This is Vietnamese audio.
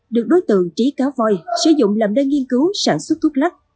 được đối tượng trí cá voi sử dụng làm nơi nghiên cứu sản xuất thuốc lắc